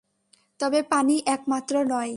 তবে পানিই একমাত্র নয়।